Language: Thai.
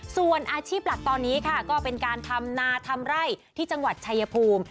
ส่วนอาชีพหลักตอนนี้ค่ะก็เป็นการทำนาทำไร่ที่จังหวัดชายภูมิ